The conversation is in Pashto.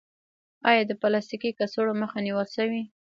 آیا د پلاستیکي کڅوړو مخه نیول شوې؟